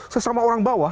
sesama orang bawah